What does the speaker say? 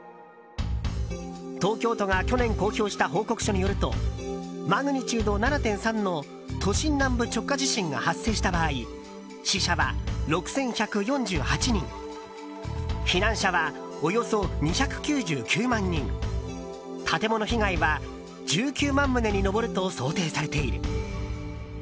東京都が去年公表した報告書によるとマグニチュード７．３の都心南部直下地震が発生した場合死者は６１４８人避難者はおよそ２９９万人建物被害は１９万棟に上ると想定されている。